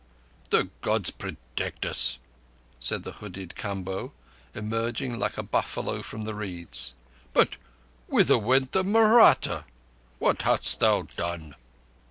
"The Gods protect us," said the hooded Kamboh, emerging like a buffalo from the reeds. "But—whither went the Mahratta? What hast thou done?"